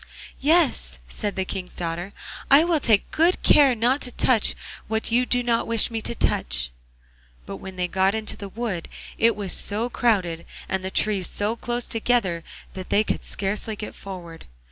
'Yes,' said the King's daughter, 'I will take good care not to touch what you do not wish me to touch.' But when they got into the wood it was so crowded, and the trees so close together, that they could scarcely get forward.